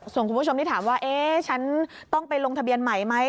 ส่วนคุณผู้ชมที่ถามว่าเอ๊ะฉันต้องไปลงทะเบียนใหม่ไหม